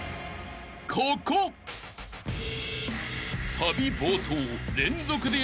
［サビ冒頭］